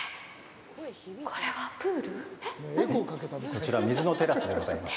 こちら、水のテラスでございます。